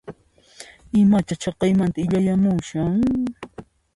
Imacha chaqaymanta illayamushan?